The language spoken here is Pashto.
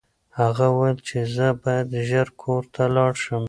هغه وویل چې زه باید ژر کور ته لاړ شم.